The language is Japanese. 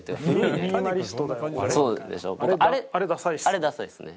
あれダサいっすね